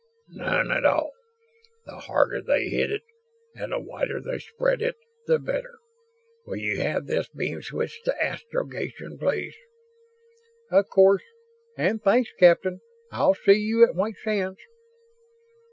"None at all. The harder they hit it and the wider they spread it, the better. Will you have this beam switched to Astrogation, please?" "Of course. And thanks, Captain. I'll see you at White Sands."